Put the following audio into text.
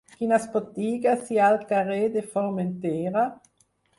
Quines botigues hi ha al carrer de Formentera?